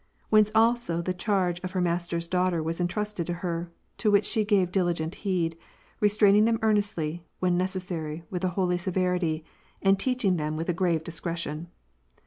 Whence also the charge of her master's daugh ters was entrusted to her, to which she gave diligent heed, restraining them earnestly, when necessary, with a holy severity, and teaching them with a grave discretion.